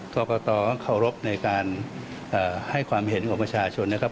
กรกตต้องเคารพในการให้ความเห็นของประชาชนนะครับ